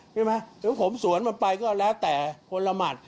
หรือผมสวนมันไปก็แล้วแต่คนละหมัด